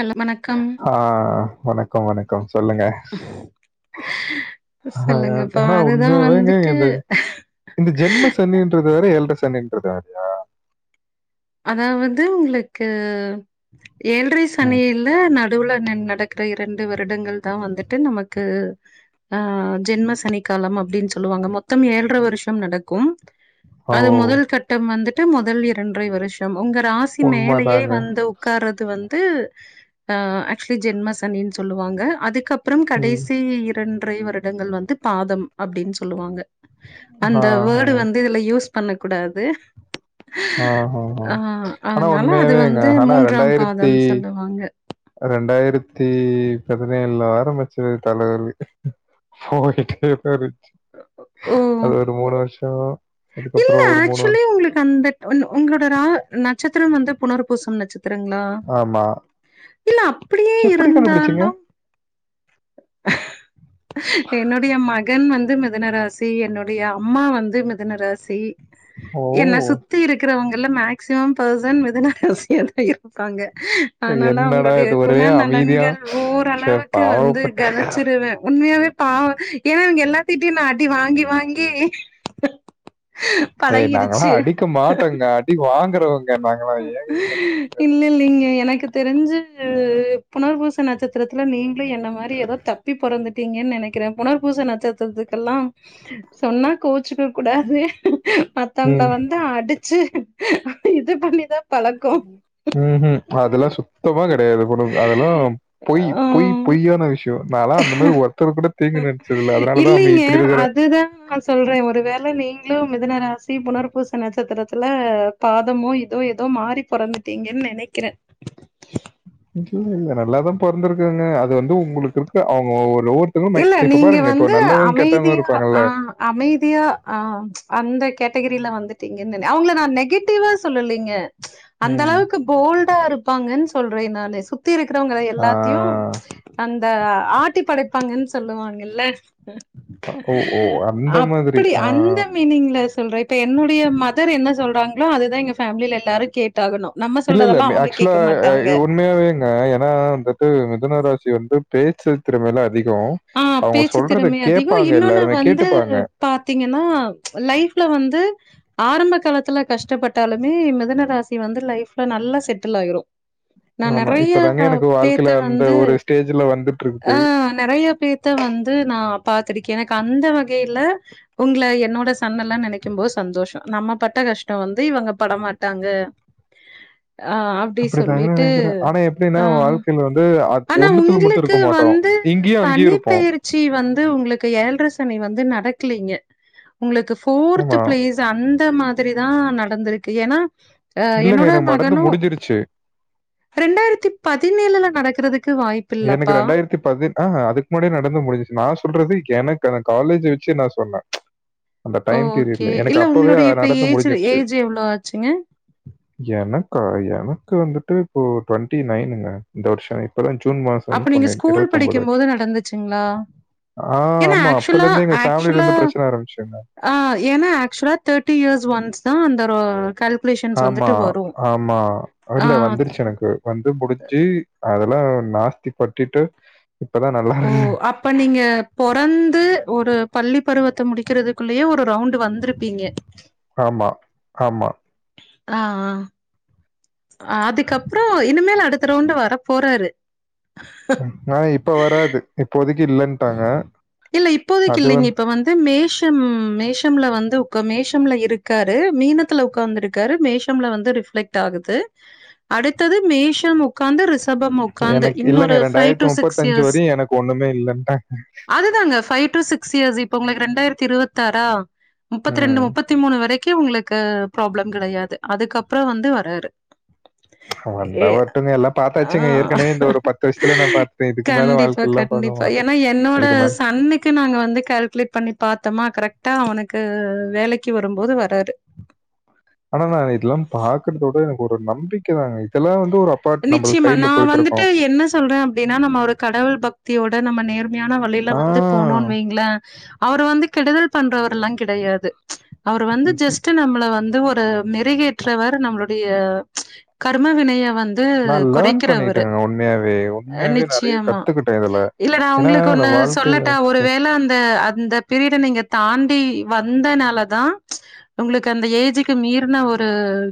Hello வணக்கம் ஆ வணக்கோ வணக்கம் சொல்லுங்க [unintelligible] ஆ சொல்லுங்கப்பா ஆனா அதுதா உண்மைங்க வந்துட்டு இந்த இந்த ஜென்ம சனின்றது இது வெரும் ஏல்ற சனினு இருக்கா அதாவது உங்களுக்கு ஏழரை சனி ம். இல் ல நடுவுல நடக்கிற இரண்டு வருடங்கள் தான் வந்துட்டு நமக்கு அ ஜென்ம சனிக்காலம் அப்டின்னு சொல்லுவாங்க மொத்தம் ஏழரை வருஷம் நடக்கும் ஓ! அது முதல் கட்டம் வந்துட்டு முதல் இரண்டரை வருஷம் உங்க ரா சி மேலேயே உண்மதாங்க. வந்தும் உட்காறது வந்த ஆக்சுவலி ஜென்ம சனின்னு சொல்லுவாங்க அதுக் அதுக்கு அப்பறம் ம். கடைசி இரண்டரை வருடங்கள் வந்து பாதம் அப்டின்னு சொல்லுவாங்க அந்த ஆ, ஆ, வேர்டு வந்து இதுல யூஸ் பண்ண கூடாது ஆ ஆ ஆனா அதனால அது உண்மையாவேங்க. வந்து மூன்றாம் பாதம் சொல்லுவாங்க ரெண்டாயிரத்தி பதினேழுல ஆரம்பிச்சது தலைவலி ஓடிகிட்டே போய்டுச்சு ஓ! அது ஒரு மூணு வருஷோ என்ன ஆக்சுவலி உங்களுக்கு அந்த உங்களோட ரா நட்சத்திரம் வந்து புனர்பூசம் நட்சத்திரங்களா ஆமா இல்ல அப்டியே எப்படி கண்டுபிடிச்சீங்க? இருந்தாலும் [unintelligible] என்னுடைய மகன் வந்து மிதனராசி என்னுடைய அம்மா வந்து மிதனராசி ஓ! என்ன சுத் தி இருக்கிறவங்கலா மேக்சிமம் பர்சன் மிதுன ராசியா தா இருப்பாங்க அதனால என்னடா அவங்களுடைய இது ஒரே குண அமைதியா. நலன்கள் ச்சே ஓரளவுக்கு பாவம். வந்து கனிச்சிருவேன் உண்மையாவே பாவம் ஏன்னா இங்க எல்லாத்திட்டயும் அடி வாங்கி வாங்கி ஏய் நாங்காள பழகிருச்சு அடிக்க மாட்டோங்க அடி வாங்குறவங்க நாங்களாம் ஏ இல்லைல்லைங்க எனக்கு தெரிஞ்சு புனர்பூச நட்சத் நடத்திரத்துல நீங்களும் என்ன மாரி ஏதோ தப்பி பிறந்துட்டீங்கன்னு நினைக்கிறேன் புனர்பூசை நட்சத்திரத்துக்கெல்லாம் சொன்னா கோசிக்க கூடாது மத்தவங்கள ம், வந்து அடிச்சு இது பண்ணி ம் ம் அதல்லாம் சுத்தமா கெடையாது அதெல்லாம் பொய் பொய் ஆ பொய்யான விஷ் யம் நாலா அந்த மாரி ஒருத்தர்ரு கூட தீங்கு நினைச்சதுல்ல அதனால தான் நாம் இல்லைங்க. இப்டி இருக்கிற அதுதான் நான் சொல்றேன் ஒரு வேளை நீங்களும் மிதனராசி புனர்பூச நட்சத்திரத்தில் பாதமோ இதோ ஏதோ மாறி பொறந்துட்டீங்கன்னு நினைக்கிறேன் இல்ல இல்ல நல்லாதான் பொறந்திருக்கங்க அது வந்து உங்களுக்கு இருக்க அவுங்க ஒருவொரு இல்ல நீங்க வந்து அமைதியா இருப்பாங்கல்ல ஆ அமைதியா ஆ அந்த கேட்டகிரில வந்துட்டீங்கன்னு நினைக் அவங்கள நான் நெகட்டிவா சொல்லலீங்க அந்த ம் அளவுக்கு போல்டா இருப்பாங்கன்னு சொல்றேன் நான்னு சுத்தி இருக்கிறவங்கள ஆ எல்லாத்தையும் அந்த ஆட்டி படைப்பாங்கன்னு சொல்லுவாங்கல்ல ஓ ஓ அந்த மாதிரி அப்டி ஆ அந்த மீனிங்ல சொல்றேன் இப்ப என்னுடைய மதர் என்ன சொல்றாங்களோ அதுதான் எங்க ஃபேமிலில எல்லாரும் கேட் டாகணும் நம்ம இல்ல, சொல்றதெல்லாம் அவுங்க கேட்க மாட்டாங்க ஏ ஏன்னா மிது மிதுன ராசி வந்து பேச்சு திறம்மையில அதிகோ ஆ அவங்க பேச்சு சொல்றத திறமை அதிகம். கேட்பாங்க இன்னொன்னு எல்லாருமே வந்து கேட்டுப்பாங்க பாத்தீங்கன்னா லைஃப்ல வந்து ஆரம்ப காலத்துல கஷ்டப்பட்டாலுமே மிதுனராசி வந்து லைஃப்ல நல்லா செட்டில் ஆயிரும் நான் ஆமா. நறைய இப்பதாங்க எனக்கு பேத்த வாழ்க்கையில அந்த வந்து ஒரு ஸ்டேஜ்ல வந்துட்டு ஆ இருக்குது. நறைய த்த வந்து நா பாத்துருக்கே எனக்கு அந்த வகைல உங்கள என்னோட சன்னெல்லா நெனைக்கும் போது சந்தோஷம் நம்ம பட்ட கஷ்டம் வந்து இவங்க படமாட்டாங்க ஆ அப்டி அப்டிதாங்க சொல்லிட்டு நெனைக்கறேன் ஆனா எப்டின்னா ஆ வாழ்க்கைல வந்து ஆனா ஒண்ணுத்துல மட்டு உங்களுக்கு இருக்க மாட்டோ இங்கயும் அங்கயும் இருப்போ சி வந்து உங்களுக்கு ஏழரசனி வந்து நடக்கலீங்க உங்களுக்கு போர்து ஆமா. பிளேஸ் அந்த மாரிதா நடந்துருக்கு ஏன்னா ஆ இல்லங்க என்னோட எனக்கு நடந்து மகனும் முடிஞ்சிருச்சு. ரெண்டாயிரத்தி பதினேழுல நடக்கறதுக்கு வாய்ப்பு எனக்கு ரெண்டாயிரத்தி பதி ஆஹா அதுக்கு முன்னாேடி நடந்து முடிஞ்சச்சு நா சொல்றது எனக்கு காலேஜ் வச்சு நா சொன்ன அந்த டைம் ஓகே. பீரியட்ல எனக்கு இல்ல அப்பவே உங்களுடைய இப்ப நடந்து ஏஜ் முடிஞ்சிருச்சு ஏஜ் எவ்ளோ ஆச்சுங்க? எனக்கா எனக்கு வந்துட்டு இப்போ டுவெண்டி நைனுங்க இந்த வருஷம் இப்பதா ஜூன் மாசம் வந்து அப்ப நீங்க பண்ணேன். ஸ்கூல் படிக்கும் ஆச்சு. போது நடந்துச்சுங்களா ஆ ஏன்னா ஆமா ஆக்சுவலா அப்பலந்து எங்க ஆக்சுவலா ஃபேமிலிலந்து பிரச்சன ஆரம்பிச்சுங்க ஆ ஏன்னா ஆக்சுவலா தேர்ட்டி இயர்ஸ் ஒன்ஸ் தான அந்த கல ஆமா ஆமா ஆ இல்ல வந்துருச்சு எனக்கு வந்து முடிஞ்சு அதல்லாம் நாஸ்தி பட்டிட்டு இப்பதா நல்லா இருக்கு இப்ப நீங்க பொறந்து ஒரு பள்ளி பருவத்த முடிக்கறதுக்குள்ளயே ஒரு ரவுண்ட் வந்துருப்பிங்க ஆமா, ஆமா. ஆ ஆ அதுக்கப்றம் இனிமேல் அடுத்த ரவுண்ட் வர போறாரு ஆ இப்ப வராது இப்போதைக்கு இல்லட்டாங்க இல்ல இப்போதைக்கு அது இல்லைங்க. வந்து இப்ப மேஷம் மேஷம்ல வந்து உ மேஷம்ல இருக்காரு மீனத்துல உக்காந்துருக்கு மேஷம்ல வந்து ரிஃப்ளெக்ட் ஆகுது அடுத்தது மேஷம் உ உக்காந்து ரிசபம் உக்காந்து எனக்கு இல்லங்க இன்னொரு ஃபைவ் டு சிக்ஸ் இயர்ஸ் வரையும் எனக்கு ஒண்ணுமே இல்லன்ட்டாக அதுதாங்க பைவ் டு சிக்ஸ் இயர்ஸ் இப்ப உங்களுக்கு ரெண்டாயிரத்தி இருபத்தி ஆறா முப்பத்தி ரெண்டு ம். முப்பத் தி மூணு வரைக்கும் உங்களுக்கு ப்ராப்ளம் கடையாது அதுக்கப்றம் வந்து வராரு வந்தா ஏ வரட்டுங்க எல்லாம் ஆ பா்த்தாச்சுங்க ஏற்கனவே இந்த ஒரு பத்து வருஷயத்துல நா பாத்துட்டேன் இதுக்கு மேல கண்டிப்பா வழ்கைல்லாம் பாக்க கண்டிப்பா மாட்டே ஏன்னா என்னோட சன் அன்னிக்கு நாங்க வந்து கால்குலேட் பண்ணி பாத்தமா கரெட்டா அவனுக்கு வேலைக்கு வரும்போது வராரு ஆனா நா இதெல்லாம் பாக்குறதோட எனக்கு ஒரு நம்பிக்க தாங்க இதெல்லா வந்து ஒரு அபார்ட் நம்ம நிச்சயமா சைட்ல நா வந்துட்டு போயிட்டுருக்கோம். என்ன சொல்றேன் ஏனா நம்ம ஒரு கடவுள் பக்தியோட நம்ம நேர்மையான வழில ஆ வந்து போனோன்னு வைங்களன் அவர் வந்து கெடுதல் பண்றவர்ல்லாம் கடையாது அவர் வந்து ஜஸ்ட்டு நம்மள வந்து ஒரு மெருகேற்றவர் நம்மளுடைய கர்ம வினைய வந்து இது நான் லேர்ன் கொறைக்கிறவரு பண்ணிட்டேங்க உண்மையாவே. உண்மையாவே நெறைய நிச்சயமா கத்துக்கிட்டேன் இதுல. இல்ல நா ஏன்னா, உங்களுக்கு ஒன்னு நான் வாழ்க்கையில சொல்லட்டா க ஒரு வேள அந்த அந்த பிரீயட்ட நீங்க தாண்டி வந்தனாலதா உங்களுக்கு அந்த ஏஜுக்கு மீறின ஒரு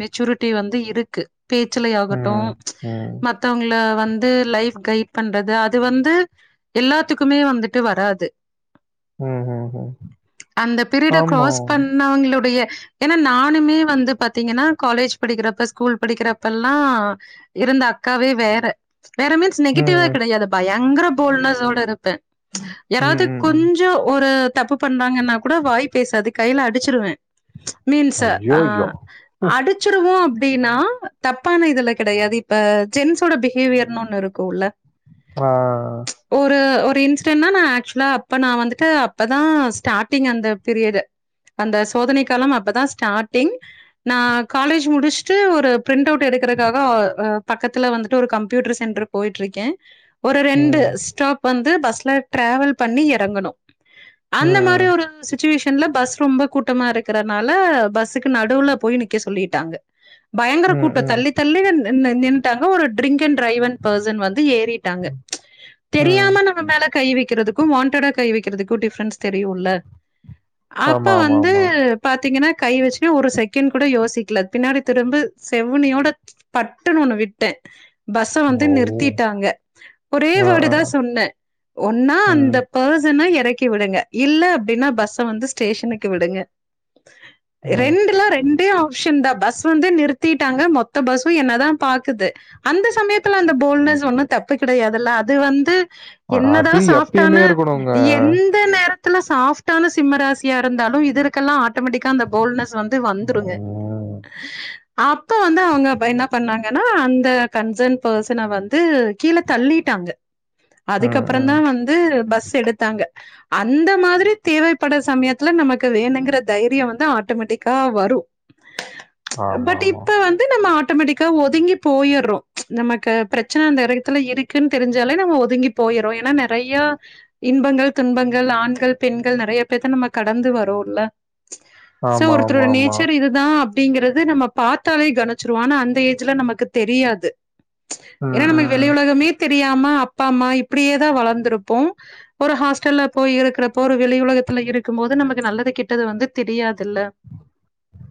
மெச்சூரிட்டி வந்து இருக்கு பேச்சுலயு ஆட்டம் ம், ம், மத்தவங்கள வந்து லைஃப் கைட் பண்றது அது வந்து எல்லாத்துக்குமே வந்துட்டு வராது ம், ம், ம். அந்த ப்பிரிட ஆமா. கிராஸ் பண்ணவங்களுடைய ஏன்னா நானுமே வந்து பாத்தீங்கன்னா காலேஜ் படிக்கிறப்ப ஸ்கூல் படிக்கிறப்ப எல்லா இருந்த அக்காவே வேற வேற மீன்ஸ் நெகட்டிவ்வே ம், கெடயாது பயே யங்கற போல்ட்னஸோட இருப்பே ம், யாராவுது ம், ம். கொஞ்சோ ஒரு தப்பு பண்னாங்கன்னா கூட வாய் பேசாது கையில அடிச்சிருவே மீன்ஸ் ஆ ஐய்யய்யோ! அடிச்சுருவோ அப்டின்னா தப்பான இதுல கெடயாது இப்ப ஜென்ஸோட பிஹேவியர்னு ஒன்னு இருக்குல்ல ஆ ஆ ஆ ஒரு ஒரு இன்சிடென்னா நா ஆக்சுவலா அப்ப நா வந்துட்டு அப்பதா ஸ்டார்ட்டிங் அந்த பீரியடு அந்த சோதனை காலம் அப்பதா ஸ்டாட்டிங் நா காலேஜ் முடுச்சுட்டு ஒரு பிரிண்ட் அவுட் எடுக்கற காக பக்கத்தில வந்துட்டு ஒரு கம்ப்யூட்டர் சென்ட்ரு போய்ட்டு இருக்கேன் ஒரு ரெண்டு ம், ஸ்டாப் வந்து பஸ்ல டிராவல் பண்ணி இறங்கணு அந்த மாதிரி ம், ஒரு ஸு சுச்சுவேஷன்ல பஸ் ரொம்ப சிச்சுவேசன்ல பஸ் ரொம்ப கூட்டமா இருக்கறனால பஸ்ஸுக்கு நடுவுல போய் நிக்க சொல்லிட்டாங்க ம், பயங்கர கூட்டோ ம், தள்ளி தள்ளி இந்ததந்என் டாலு ஒரு ட்ரிங்க் அன் ட்ரைவன் பர்சன் வந்து ஏறிட்டாங்க ம். தெரியாம நம்ம ம்ம மேல கை வக்கிறதுக்கு வாண்டடா கை வக்கிறதுக்கு டிஃப்ரென்ஸ் தெரியுல்ல அப்ப ஆமா, ஆமா, வந்து ஆமா. பாத்தீங்கன்னா கை வச்சுனா ஒரு செகண்ட் கூட யோசிக்கல பின்னாடி திரும்பு செவ்னியோட பட்டுணு ஒன்னு விட்டே பஸ்ச வந்து ஓ! நிறுத்திட்டாங்க ஒரே ஆ, வேடு ஆ. தா சொன்னே ஒன்னா ம், அந்தப் பெர்சன இறக்கி விடுங்க இல்ல அப்டின்னா பஸ்ஸ வந்து ஸ்டேஷனுக்கு விடுங்க ம். ரெண்டுலா ரெண்டே ஆப்ஷன் தா பஸ் வந்து நிறுத்திட்டாங்க மொத் த்த பஸ்ஸு என்னதா பாக்குது அந்த சமயத்துல அந்த போல்னஸ் ஒண்ணு தப்பு கிடயாதுல்ல அது வந்து அ என்னதா அது சாஃப்ட்டான எப்பயுமே இருக்கணுங்க. என் ஆனா சாஃப்டான சிம்ம ராசியா இருந்தாலு இதற்க்கெல்லா ஆட்டமெட்டிக்கா அந்த போல்னஸ் வந்து வந்துருங்க ம். அப்ப வந்து அவ்ங்க பயந்தா ன்னாப் பண்ணாங்கன்னா அந்த கன்சன் பர்சன வந்து கீழ தள்ளிட்டாங்க அதுக்கு ம், அப்புறந்தா ம். வந்து பஸ்ஸு எடுத்தாங்க அந்த மாதிரி தேவைப்பட சமயத்துல நமக்கு வேணுங்கிற தைரியோ வந்து ஆட்டோமேட்டிக்கா வரு பட் ஆமாமா. இப்ப வந்து நம்ம ஆட் ஆட்டோமெட்டிக்கா ஒதுங்கி போய்யற்றோ நமக்கு பிரச்சன அந்த எடத்துல இருக்குன்னு தெரிஞ்சாலே நம்ம ஒதுங்கி போயிரொ ஆனா நெறையா இன்பங்கள் துன்பங்கள் ஆண்கள் பெண்கள் நிறைய பேத்த நம்ம கடந்து வரோல்ல சோ ஒருத்தரோட ஆமாமாமா. நேச்சர் இது தா அப்டிங்கறிது நம்ம பாத்தாலே கனிச்சிருவோ ஆனா அந்த ஏஜ்ல நமக்கு தெரியாது ஏனா ம், நமக்கு வெளி ம். உலகமே தெரியாம அப்பா அம்மா இப்டியே தா வளந்திருப்போ ஒரு ஹாஸ்டல்ல போய் இருக்கிறப்போ ஒரு வெளி உலகத்துல இருக்கும் போது நமக்கு நல்லது கெட்டது வந்து தெரியாதில்ல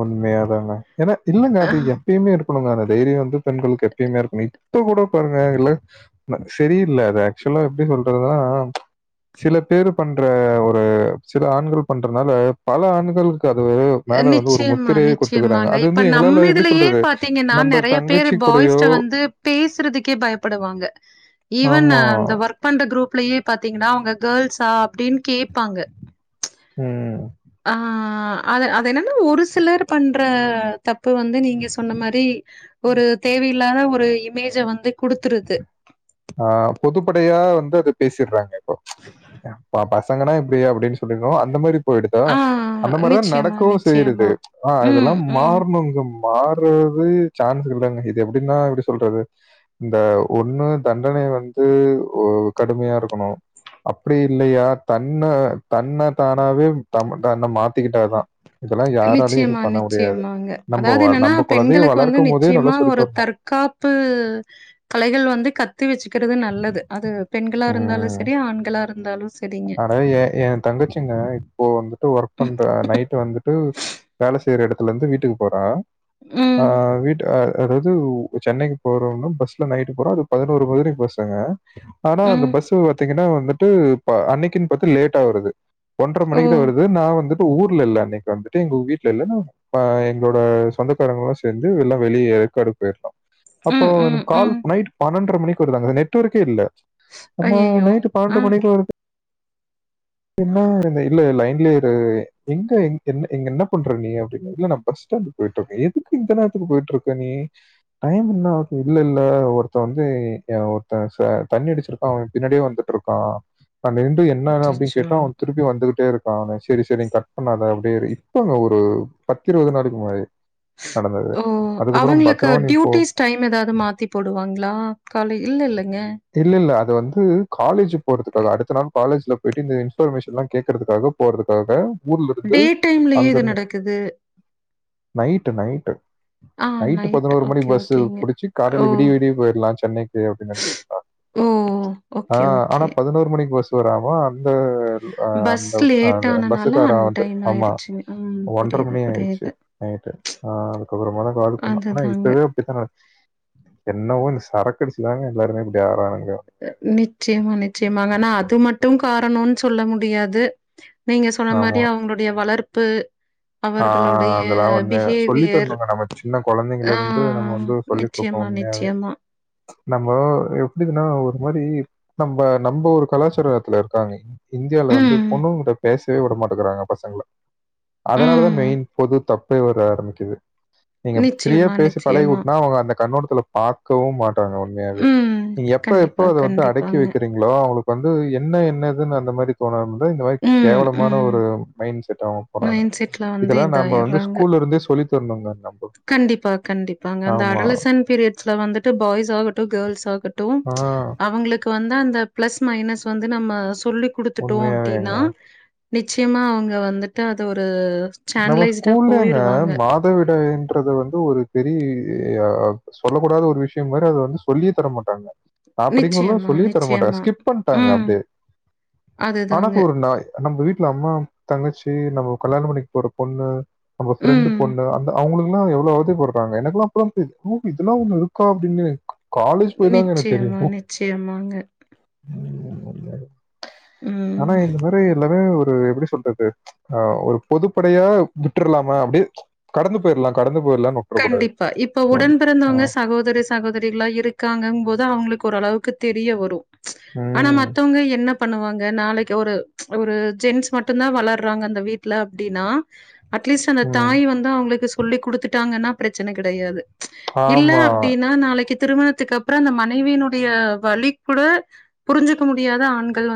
உண்மையாதாங்க ஏன்னா தில்லுங்க அதிக்கோ எப்பயுமே இருக்கணுங்க அந்த தைரியோ வந்து பெண்களுக்கு எப்பயுமே இருக்கணு இப்ப கூட பாருங்க இல்ல அது செரி இல்லஅது ஆக்சுவலா எப்டி சொல்றதுன சில பேரு பண்ற ஒரு சில ஆண்கள் பண்றதுனால பல ஆண்கள் நிச்சயமா குத்துக்கிறாங்க. நிச்சயமாங்க அது இப்ப வந்து எங்களால எப்படி நம்மள்துலயே சொல்றது? பாத்தீங்கன்னா நம்ப நெறைய பேர் தங்கச்சி கூடயோ பாய்ஸ்ட்ட வந்து பேசுறதுக்கே பயப்படுவாங்க ஈவன் ஆமா. அந்த ஒர்க் க் பண்ற க்ரூப்லயே பாத்தீங்கன்னா அவங்க கேள்ஸா அப்டின்னு கேப்பாங்க ம் ஆ அது அது என்னன்னா ஒரு சிலர் பண்ற தப்பு வந்து நீங்க சொன்ன மாரி ஒரு தேவையில்லாத ஒரு இமேஜ வந்து குடுத்துருது ஆ பொதுப்படையா வந்து அது பேசிட்றாங்க இப்போ பா பா சங்கனா இப்டி அப்டின்னு சொல்லியு அந்த மாரி போய்டுதா ஆ அந்த மாரிதா நிச்சயமா, நடக்கவு செய்றது நிச்சயமா. ஆ அதெல்லா ம், ம். மார்னுங்கும் மாறுறது சான்ஸ் இல்லங்க இது எப்டின்னா எப்டி சொல்றது இந்த ஒண்ணு தண்டனை வந்து உ கடுமையா இருக்கனு அப்படி இல்லையா தன தன்ன தானாவே தன் தன்ன மாத்திக்கிட்டாதா நிச்சயமா நிச்சயமாங்க நம்ப அதாது வ என்னன்னா நம்ப குழந்தைய பெண்களுக்கு வந்து வளர்க்கும்போதே நல்லா நிச்சயமா சொல்லி ஒரு தரணும். தற்கா பு கலைகள் வந்து கத் து வச்சுக்கிறது நல்லது அது பெண்களா இருந்தாலு சரி ஆண்களா இருந்தாலு ஆனா எ எ தங்கச்சிங்க இப்போ வந்துட்டு ஒர்க் பண்ற நைட் வந்து போ வேல செய்ற எடத்துலந்து வீட்டுக்கு போறா ஆ ம், வீட்டு அ அதாவது சென்னைக்கு போறோம்ன்னு பஸ்ல நைட்டு போறோ அது பதினோரு மணிக்கு பஸ்சுங்க ஆனா அந்த ம். பஸ்சு பாத்தீங்கன்னா வந்துட்டு பா அன்னைக்குன் பாத்து லேட்டா வருது ஒன்ற ஓ! மணிக்கு தா வருது நான் வந்துட்டு ஊர்ல இல்ல அன்னைக்கு வந்துட்டு எங்க வீட்ல இல்லனு அ எங்ளோட சொந்தக்காரங்கல்லா சேந்து எல்லா வெளிய ஏற்க்காடு போயிருந்தோ அப்போ ம், ம், எனக்கு கால் ம். நைட் பன்னெண்டர மணிக்கு வருது அங்க நெட்வொர்க்கே இல்ல ஆமா ஐயய்யோ! நைட்டு ஆ. பன்னெண்டு மணிக்கு வருது என்ன இல்ல லைன்லே இரு எங்க என்ன இங்க என்ன பண்ற நீ அப்டின்ன இல்ல நா பஸ் ஸ்டண்ட்டு போய்ட்ருக்க எதுக்கு இந்த நேரத்துக்கு போய்ட்ருக்க நீ டைம் என்ன ஆது இல்ல இல்ல ஒருத்த வந்து அ ஒருத்த ச தண்ணி அடிச்சிருக்கா அவ பின்னாடியே வந்துட்ருக் கா நா நின்ட்டு என்னத அப்டி அச்சச்சோ! திருப்பி வந்துகிட்டே இருக்கா சரி சரி நீ கட் பண்ணாத அப்டியே இரு இப்பங்க ஒரு பத்து இருவது நாளுக்கு முன்னாடி நடந்தது ஓ அதுக்கப்புறம் அவங்களுக்கு பத்திரமா நீ போ. டியூட்டிஸ் டைம் ஏதாது மாத்தி போடுவாங்ளா காலே இல்லல்லங்க இல்ல இல்ல அது வந்து காலேஜ் போறதுக்காக அடுத்த நாள் காலேஜ்ல போய்ட்டு இந்த இன்பர்மேஷன்ல்லா கேக்குறதுங்காக போறதுக்காக ஊர்ல இருந்து டே டைம்லயே அங்க இது இருந்து நடக்குது. நைட்டு நைட்டு ஆ நைட்டு நைட். பதினோரு மணி ஓகே, பஸ்சு ஓகேங்க. புடிச்சு காலைல ஓ! விடிய விடிய போயிர்லா சென்னைக்கு அப்டின் நெனச்சிர்க்கா ஓ! ஆ ஓகே, ஓகே. ஆனா பதினோரு மணிக்கு பஸ் வராம அந்த அ ஆ பஸ் அந்த லேட் அ பஸ்ஸு ஆனனால கார வந்து அன்டைம் ஆமா ஆயிருச்சுங்க. ம். ஒன்ற புரியுது, மணி ஆயிச்சு புரியுது. நைட்டு ஆ அதுக்கப்றமா கால் பண்ணா ஆனா அதுதாங்க. இப்பவே த்த என்னவோ இந்த சரக்குடிச்சுதாங்க எல்லாருமே இப்டி ஆரானுங்க நிச்சயமா நிச்சயமாங்க ஆனா அது மட்டு காரணோன் சொல்ல முடியாது நீங்க சொன்ன மாரி ஆமா. அவங்களுடைய வளர்ப்பு ஆ அவர்களுடைய அதெல்லாம் உண்மையா. சொல்லி பிஹேவியர் தரணுங்க. நம்ம சின்ன ஆ குழந்தைங்கள்ல இருந்து நம்ம வந்து சொல்லிக் நிச்சயமா குடுக்கணும் நிச்சயமா நம்ம எப்டிதுன்னா ஒரு மாரி நம்ப நம்ப ஒரு கலாச்சாரத்துல இருக்கா நீ இந்தியால வந்து ம், பொண்ணுங் கிட்ட பேசவே விடமாட்டகிறாங்க பசங்கள அதனால தா ம். மெய்ன் பொது தப்பே வர ஆரம்மிக்குது நீங்க ப்ரீயா நிச்சயமா, பேசி பழகி நிச்சயமா. கூட்னா அவுங்க அந்த கண்ணோடத்துல பாக்கவு மாட்டாங்க மே அது ம். நீங்க எப்ப எப்ப கண்டிப்பா, அத வந்து அடக்கி கண்டிப்பாங்க. வெக்கிறீங்களோ அவுங்களுக்கு வந்து என்ன என்னதுன்னு அந்த மாரி தோன வந்து இந்த மாரி ம், கேவலமான ம். ஒரு மை செட் அவுங்க போறாங்க மைண்ட் செட்ல வந்து இதெல்லா நம்ப வந்து இதாயிர்றாங்க. ஸ்கூல் இருந்தே சொல்லித்தரணுங்க நம் கண்டிப்பா கண்டிப்பாங்க அந்த அடலசன் பீரியட்ஸ்ல வந்துட்டு பாய்ஸ் ஆகட்டு கேர்ள்ஸ் ஆகட்டும் ஆ அவங்களுக்கு வந்து அந்த ப்ளஸ் மைனஸ் வந்து நம்ம சொல்லி குடுத்துட்டோ உண்மையாவேங்க. அப்டின்னா நிச்சயமா அவுங்க வந்துட்டு அது ஒரு நம்ம சேனலைஸ்டா ஸ்கூல்லேங்க போயிருவாங்க. மாதவிடன்றத வந்து ஒரு பெரிய சொல்லக்கூடாத ஒரு விஷயம் மாரி அத வந்து சொல்லியே தரமாட்டாங்க நா படிக்கும் போதல்லா நிச்சயமா, சொல்லியே தரமாட்டங்க நிச்சயமா. ஸ்கிப் பண்ட்டாங்கங்க ம். அப்டியே அதுதாங்க. ஆனாக்கு ஒரு நா நம்ம வீட்டுல அம்மா தங்கச்சி நம்ம கல்யாணோ பண்ணிக்க போற பொண்ணு நம்ம ஃப்ரெண்டு ம். பொண்ணு அந்த அவுங்களுக்குல்லா எவ்ளோ அவதிப்படுறாங் ங்க எனக்குல்லா அப்புல்லா தெரியாது இதெல்லா ஒண்ண இருக்கா அப்டின்னு காலேஜ் போய் தாங்க எனக்கு தெரியு நிச்சயமா, நிச்சயமாங்க. ஆனா ம். இந்த மாரி எல்லாமே ஒரு எப்டி சொல் றது ஒரு பொதுப்படையா விட்டுர்லாமா அப்டியே கடந்து போயிர்லா கடந்து போயிர்லான் நோ கண்டிப்பா இப்ப உடன் பிறந்தவங்க சகோதரி சகோதரிகளா இருக்காங்க போது அவுங்களுக்கு ஒரளவுக்கு தெரிய வரு ஆனா ம். மத்தவுங்க என்னப் பண்ணுவாங்க நாளைக்கு ஒரு ஒரு ஜென்ஸ் மட்டுந்தா வளர்றாங்க அந்த வீட்ல அப்டின்னா அட்லீஸ்ட் அந்த ம். தாய் வந்து அவுங்களுக்கு சொல்லி குடுத்துட்டாங்கன்னா ப்ரச்சன கிடையாது இல்ல ஆமா. அப்டின்னா நாளைக்கித் திருமணத்துக்கு அப்றோ அந்த மனைவியினுடைய வழி கூட புரிஞ்சுக்க முடியாத ஆண்கள் வந்